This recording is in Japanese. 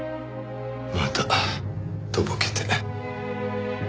またとぼけて。